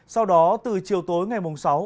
sau đó từ chiều tối ngày mùng sáu